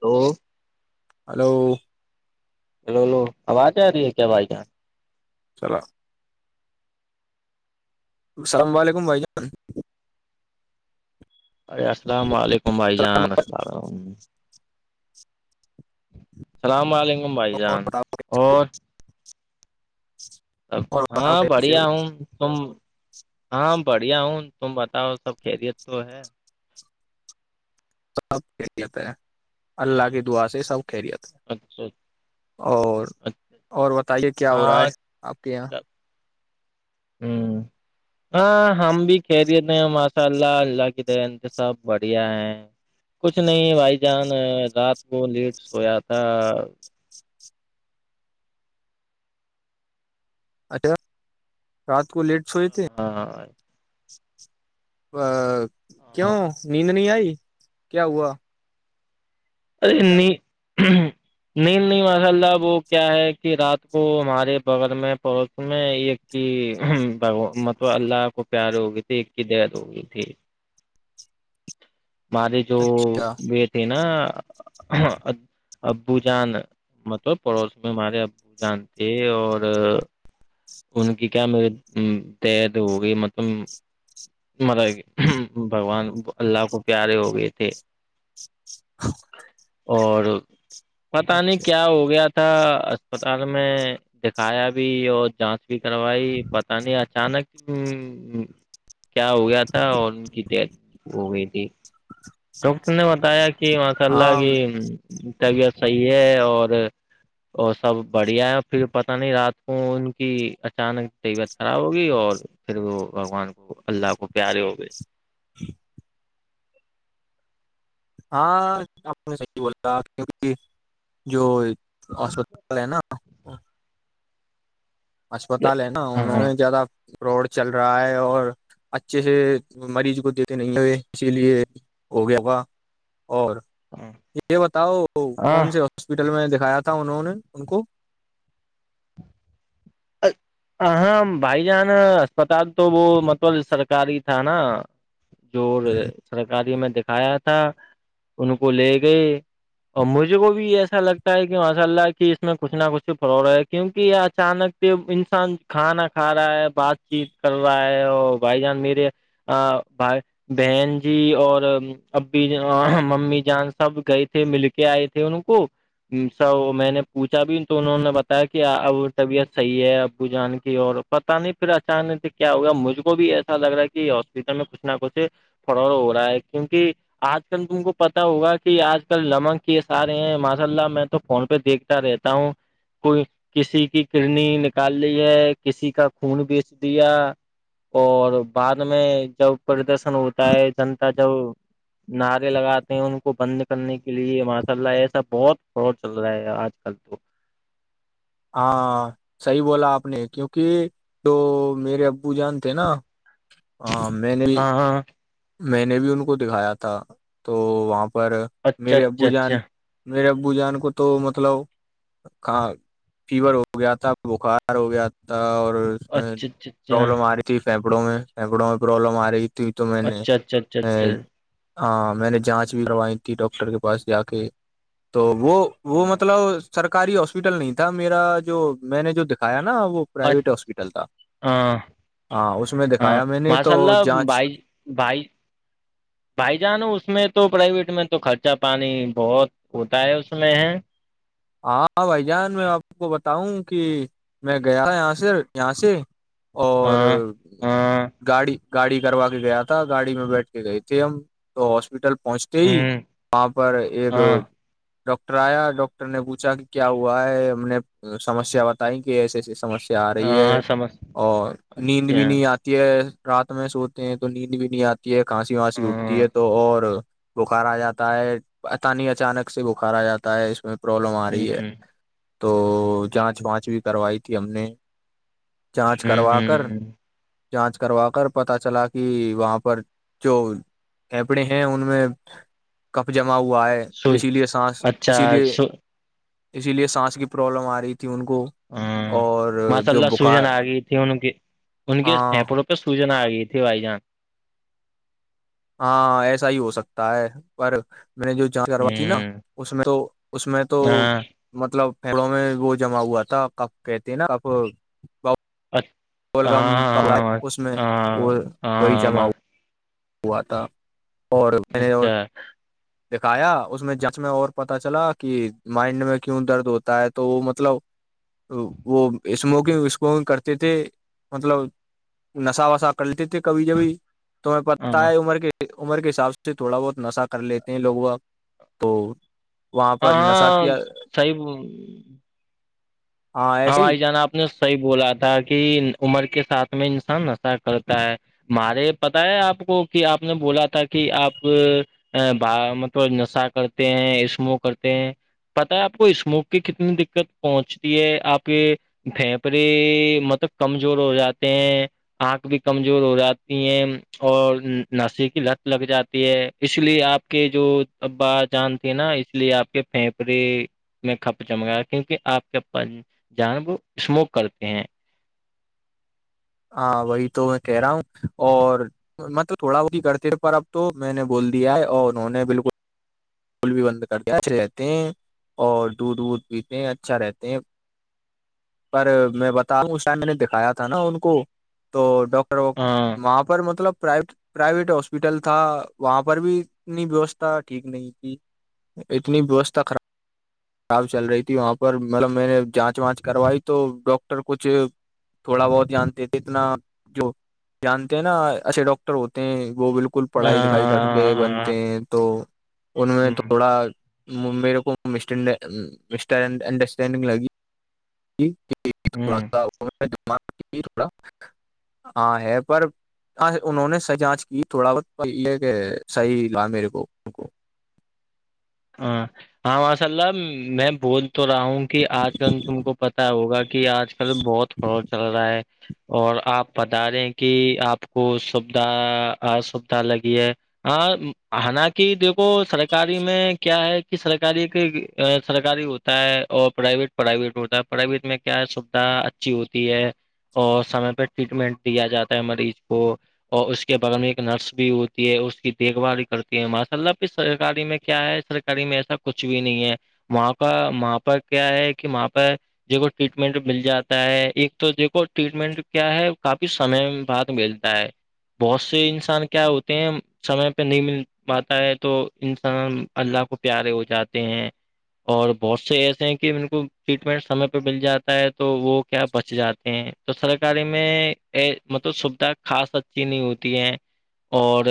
تو ہلو لولو آواز آ رہی ہے کیا بھائی جاں [inaudible] چل [inaudible] السلام علیکم بھائی جان [inaudible] السلام علیکم بھائی السلام جانرت ال ال [inaudible] السلام علیکم بھائی جان اور اب علیکم، اور بتاؤ ہاں کیسے بڑھیا ہو ہوں تم ہاں بڑھیا ہوں تم بتاؤ سب خیریت تو ہے سب خریت ہے اللہ کی دعا سے سب خریت ہے اچھا [inaudible] اور اچھا اور بتائیے کیا ہو رہا ہے ہاں آپ کے یہاں ہوں ہاں ہم بھی کھیریتے ہیں ماشاء اللہ اللہ کی د انت سب بڑھیا ہیں [inaudible] کچھ نہیں بھائی جان رات کو لیٹ سویا تھا [inaudible] اچھا رات کو لیٹ سوئے تھے ہاںاں ا کیوں نیند نہیں آئی کیا ہوا ا انی [inaudible] نہیں نہیں ماشاء اللہ وہ کیا ہے کہ رات کو ہمارے بغل میں پہنچ [inaudible] میں ایک کی ب مطلب اللہ کو پیار ہوگئی تھی ایک کی دد ہوگئی تھی [inaudible] [inaudible] مارے جو اچھا یہ تھے نا [inaudible] ابو جان مطلب پڑوس میں ہمارے ابو جان تھے اور ان کی کیا مے تید ہو گئی مطلب [inaudible] مر بگوان اللہ کو پیارے ہو گئے تھے [inaudible] ہاں [inaudible] اور پتہ نہیں کیا ہو گیا تھا اسپتال میں دکھایا بھی اور جانچ بھی کروائی پتا نہیں اچانک کیا ہویا تھا ان کی ت ہو گئی تھی چ [inaudible] ڈاکٹر نے بتایا کہ ماشاء اللہ کی طبیعت صحیح ہے اور اور سب بڑھیا ہے اور پھر پتہ نہیں رات کو ان کی اچانک طبیعت خراب ہوگی اور پھر وہ بگوان کو اللہ کو پیارے ہو گئے [inaudible] ہاں آپ نے صحیح بولا کیکہ جو [inaudible] ہسپتال ہے نا [inaudible] اسسپتال ہے نا انہوں ہاں نے زیادہ فرائیڈ چل رہا ہے اور اچھے سے مریض کو دیتے نہیں ہوئے اسی لیے ہو گیا اور یہ بتاؤ ہاں کون سے ہاسپٹل میں دکھایا تھا انہوں نے ان کو ہاں بھائی جان اسپتال تو وہ مطلب سرکاری تھا نا جو سرکاری میں دکھایا تھا ان کو لے گئے اور مجھے کو بھی ایسا لگتا ہے کہ ماشاء اللہ کی اس میں کچھ نہ کچھ فرائیڈ ہے کیونکہ یہ اچانک انسان کھانا کھا رہا ہے بات چیت کر رہا ہے اور بھائی جان میرے [inaudible] بہن جی اور ممی جان سب گئے تھے مل کے آئے تھے ان کو میں نے پوچھا بھی تو انہوں نے بتایا کہ اب طبیعت صحیح ہے ابو جان کی اور پتہ نہیں پھر اچانک سے کیا ہوگا مجھ کو بھی ایسا لگ رہا ہے کہ تا میں کچھ نہ کچھ فرور ہو رہا ہے کیونکہ آج کل تم کو پتا ہوگا کہ آج کل لمک یہ سارے ہیں ماشاء اللہ میں تو فون پہ دیکھتا رہتا ھمم کوئی کسی کی کڈنی نکال لی ہے کسی کا خون بیچ دیا اور بعد میں جب پردرشن ہوتا ہے جنتا جب نعرے لگاتے ہیں ان کو بند کرنے کے لیے ماشاء اللہ ایسا بہت فاڈ چل رہا ہے آج کل تو ہاں صحیح بولا آپ نے کیونکہ جو میرے ابو جان تھے نا ہاں میں نے بھی ہاں ہاں میں نے بھی ان کو دکھایا تھا تو وہاں پر اچھا میرے اچھا ابو اچھا جان میرے ابو جان کو تو مطلب اں فیور ہو گیا تھا بخار ہو گیا تھا اور اچھا اچھا پرابلم آ رہی تھی پھیپڑوں میں پھیپڑوں میں پرابلم آ رہی تھی تو میں نے اچھا اچھا اچھا اچھا ہاں میں نے جانچ بھی کروائی تھی ڈاکٹر کے پاس جا کے تو وہ وہ مطلب سرکاری ہاسپٹل نہیں تھا میرا جو میں نے جو دکھایا نا وہ ہاں پرائیویٹ ہاسپٹل تھا ہاں ہاں اس میں ہاں دکھایا میں نے ماشاء تو اللہ جانچ بھائی بھائی بھائی جان اس میں تو پرائیویٹ میں تو خرچہ پانی بہت ہوتا ہے اس میں ہے ہاں بھائی جان میں آپ کو بتاؤں کہ میں گیا یہاں سے یہاں سے اور ہاں ہاں گاڑی گاڑی کروا کے گیا تھا گاڑی میں بیٹھ کے گئے تھے ہم تو ہاسپٹل پہنچ ہ وہاں پر ایک ہاں ڈاکٹر آیا ڈٹر ٹر نے پوچھا کہ کیا ہوا ہے ہم نے سمیا بتائی کہ ایسے ایسی سمیا آ رہی ہے ہاں سمجھتے اور نیند بھی ہیں نہیں آتی رات میں سوتے ہیں تو نیند بھی نہیں آتی ہے کھانسی وھانسی اٹھتی ہاں ہے تو اور بخارا جاتا ہے تانی اچانک سے بخارا جاتا ہے اس میں پرابلم آ رہی ہے ہ تو جانچ ہ وانچ بھی کروائی تھی ہم نے جانچ کروا کر ہ جانچ کروا کر پتا چلا کہ وہاں پر جو پھیپڑے ہیں ان میں کپ جما ہوا ہے س تو اسی لیے سانس اچھا اسی لیے سو اسی لیے سانس کی پرابلم آ رہی تھی ان کو ہاں اور ماشاء جو اللہ سوجن بخار آ گئی تھی ان کے ان کے ہاں پپڑوں تو سوجنا آ گئی تھی بھائی جان ہاں ایسا ہی ہو سکتا ہے پر میں نے جو جانچ ہ کروات تھی نا اس میں تو اس میں تو ہاں مطلب پڑوں میں وہ جمع ہوا تھا کب کہتے ہیں نا اب اچھا ہاں ہاں کپ اس میں ہاں وہ وہی ہاں جمع ہاں [unintelligible] اچھا [unintelligible] دکھایا اس میں جس میں اور پتا چلا کہ مائنڈ میں کیوں درد ہوتا ہے تو وہ مطلب وہ اسموکنگ وسموکنگ کرتے تھے مطلب نشا وسا کرتے تھے کبھی جبھی تو پتا ہاں ہے عمر کے عمر کے حساب سے تھوڑا بہت نشہ کر لیتے ہیں لوگ وہ تو وہاں پر نشہ ہاں کیا صحیح ہاں ایسے ہی بھائی جان آپ نے صحیح بولا تھا کہ عمر کے ساتھ میں انسان نشہ کرتا ہے ہمارے پتا ہے آپ کو کہ آپ نے بولا تھا کہ آپ مطلب نشہ کرتے ہیں عشمو کرتے ہیں پتا ہے آپ کو اسموک کی کتنی دقت پہنچتی ہے آپ کے پھیپڑے مطلب کمزور ہو جاتے ہیں آنکھ بھی کمزور ہو جاتی ہیں اور نشے کی لت لگ جاتی ہے اس لیے آپ کے جو ابا جان تھے نا اس لیے آپ کے پھیپڑے میں کھپ چمگایا کیونکہ آپ کے جان وہ اسموک کرتے ہیں ہاں وہی تو میں کہہ رہا ہوں اور میں تو تھوڑا بہت ہی کرتے پر اب تو میں نے بول دیا ہے اور انہوں نے بالکل پل بھی بند کرتے اچھے رہتے ہیں اور دودھ وودھ پیتے ہیں اچھا رہتے ہیں پر میں بتا رہوں اس ٹائم میں نے دکھایا تھا نا ان کو تو ڈاکٹر ہاں وہاں پر مطلب پرائیویٹ پرائیویٹ ہاسپٹل تھا وہاں پر بھی اتنی ویوستھا ٹھیک نہیں تھی اتنی ویوستھا خراب خراب چل رہی تھی وہاں پر مطلب میں نے جانچ وانچ کروائی تو ڈاکٹر کچھ تھوڑا بہت جانتے تھ اتنا جو جانتے ہیں نا ایچھے ڈاکٹر ہوتے ہیں وہ بالکل کل پڑھائی لکھائی کر کے بنتے ہاں ہیں تو ان میں ہوں تھوڑا میرے کو انڈرسٹینڈنگ لگی جڑا ہاں سا تھوڑا ہاں ہے پر ہاں انہوں نے سحی جانچ کی تھوڑا بہت یہ کہ صحیح لا میرے کو ان کو ہاں ہاں ماشاء اللہ میں بہت تو رہا ہوں کہ آج کل تم کو پتا ہوگا کہ آج کل بہت فور چل رہا ہے اور آپ بتا رہے ہیں کہ آپ کو سھاسوھا لگی ہے حالانکہ دیکھو سرکاری میں ہے کہ سرکاری ایک سرکاری ہوتا ہے اور پرائیویٹ پرائیویٹ ہوتا ہے پڑھائی وقت میں کیا سویدھا اچھی ہوتی ہے اور سمے پہ ٹریٹمنٹ دیا جاتا ہے مریض کو اور اس کے بغے میں ایک نرس بھی ہوتی ہے اس کی دیکھ بھال کرتی ہے ماشاء اللہ پرکاری میں کیا ہے سرکاری میں ایسا کچھ بھی نہیں ہے وہاں پر وہاں پرہ کیا ہے کہ وہاں پہ دیکھو ٹریٹمنٹ مل جاتا ہے ایک تو دیکھو ٹریٹمنٹ کیا ہے کافی سمے بعد مل [inaudible] بہت سے انسان کیا ہوتے ہیں سمے پہ نہیں مل پاتا ہے تو انسان اللہ کو پیارے ہو جاتے ہیں اور بہت سے ایسے ہیں کہ ان کو ٹریٹمنٹ سمے پہ مل جاتا ہے تو وہ کیا بچ جاتے ہیں تو سرکاری میں مطلب سویدھا خاص اچھی نہیں ہوتی ہے اور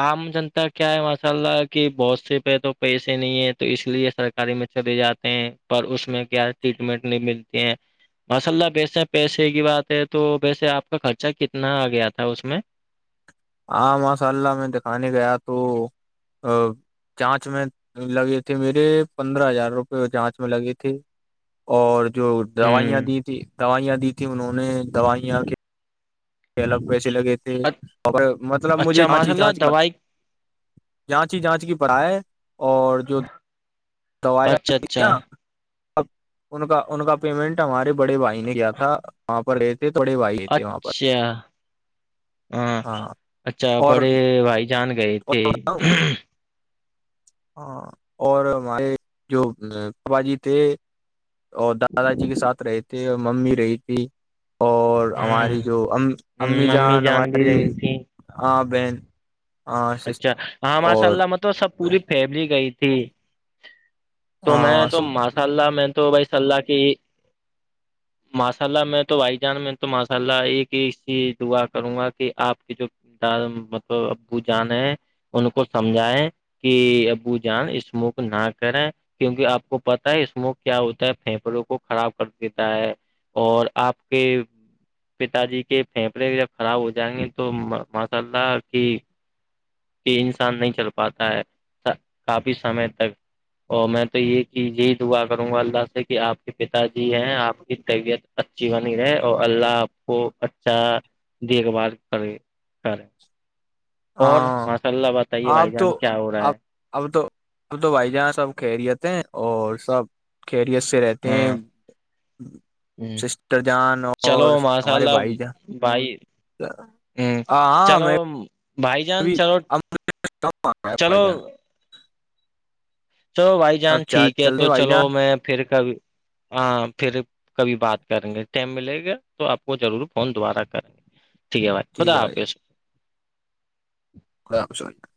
عام جنتا کیا ہے ماشاء اللہ کہ بہت سے پہ تو پیسے نہیں ہے تو اس لیے سرکاری میں چلے جاتے ہیں پر اس میں کیا ٹریٹمنٹ نہیں ملتی ہیں مسللہ ویسے پیسے کی بات ہے تو ویسے آپ کا خرچہ کتنا آ گیا تھا اس میں ہاں ماشاء اللہ میں دکھانے گیا تو جانچ میں لگی تھی میرے پندرہ ہزار روپئے وہ جانچ میں لگی تھی اور جو دوائیاں ہوں دی تھی دوائیاں دی تھیں انہوں نے دوائیاں کے الگ پیسے لگے تھے اچ- اور مطلب مجھے اچھا جانچ ماشاء ہی اللہ جانچ کے دوائی جانچ ہی جانچ کی پڑائے اور جو اچھا اچھا دوائیاں اب ان کا ان کا پیمنٹ ہمارے بڑے بھائی نے کیایا تھا وہاں پر رہتے تھڑے بھائی ہو تھے وہاں پر اچھا [unintelligible] ہاں اچھا اور بڑے بھائی جان گئے تھے بتاؤں ہاں اور ہمارے جو باباجی تھے اور دادا جی کے ساتھ رہے تھے اور ممی رہی تھی اور ہوں ہماری ہ جو امی ممی جان بھی ہماری رہی تھی آ بہن ہاں اچھا ہاں ماشاء اور اللہ میں تو سب پوری فیملی گئی تھی تو میں ہاں تو سب ماشاء اللہ میں تو بھائی صلہ کی [inaudible] ماشاء اللہ میں تو بھائی جان میں تو ماشاء اللہ ایک ایک چیز دعا کروں گا کہ آپ کی جو ڈ مطلب ابو جان ہے ان کو سمجھائے کہ ابو جان اسمک نہ کریں کیونکہ آپ کو پتا ہے اسم کیا ہوتا ہے پھیپڑوں کو خراب کر دیتا ہے اور آپ کے پتا جی کے فیبرے جب خراب ہو جائیں گے تو ماشاء اللہ کی کہ انسان نہیں چل پاتا ہے کافی سمے تک اور میں تو یہ کہ یہی دعا کروں گا اللہ سے کہ آپ کے پتا جی ہیں آپ کی طبیعت اچھی بنی رہے اور اللہ آپ کو اچھا دیکھ بھال کرے کرے اور ہاں ماشاء اللہ بتائیے آپ بھائی تو جان کیا ہو رہا آپ ہے اب تو اب تو بھائی جہاں سب خیریت ہیں اور سب خیریت سے رہتے ہاں کہ [unintelligible] ہ سسٹر جان چلو اور ماشاء ہمارے اللہ بھائی جان بھائی ہ ہ ہاں چلو میں بھائی جان ابھی چلو کا ہے چلو بھ جان [unintelligible] چلو بھائی اب جان ٹھیک ہے چل رہے ہیں تو بھائی چلو جان میں پھر کبھی ہاں پھر کبھی بات کریں گے ٹائم ملے گا تو آپ کو ضرور فون دوبارہ کریں گے ٹھیک ہے بھائی خداپ خلملم [unintelligible]